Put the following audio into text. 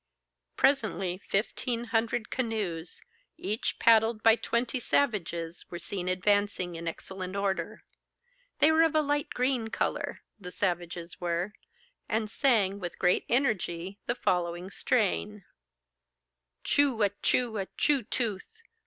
Presently fifteen hundred canoes, each paddled by twenty savages, were seen advancing in excellent order. They were of a light green colour (the savages were), and sang, with great energy, the following strain: Choo a choo a choo tooth.